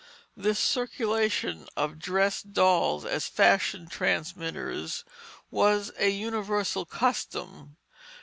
This circulation of dressed dolls as fashion transmitters was a universal custom.